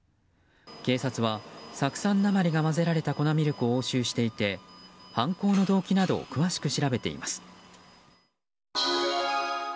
警察は酢酸鉛が混ぜられた粉ミルクを押収していて犯行の動機など詳しく調べています。